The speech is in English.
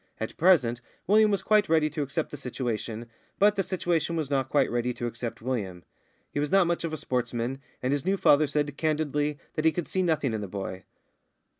At present, William was quite ready to accept the situation, but the situation was not quite ready to accept William. He was not much of a sportsman, and his new father said candidly that he could see nothing in the boy.